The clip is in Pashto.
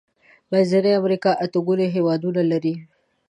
منځنۍ امريکا اته ګونې هيوادونه لري.